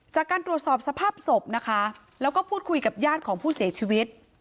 จากการตรวจสอบสภาพศพนะคะแล้วก็พูดคุยกับญาติของผู้เสียชีวิต